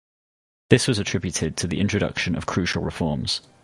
This was attributed to the introduction of crucial reforms.